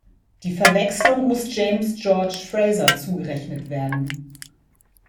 Die Verwechslung muss James George Frazer zugerechnet werden.